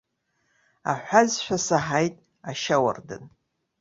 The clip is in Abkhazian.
Аҳәазшәа саҳаит ашьауардын.